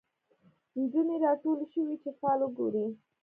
نجونې راټولي شوی چي فال وګوري